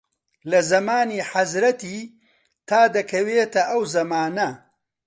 لە زەمانی حەزرەتی تا دەکەوێتە ئەو زەمانە